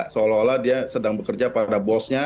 seolah olah dia sedang bekerja pada bosnya